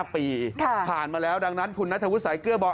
ปีผ่านมาแล้วดังนั้นคุณนัทวุฒิสายเกลือบอก